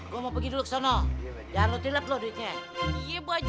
gue mau pergi dulu kesana jangan lo tilet loh duitnya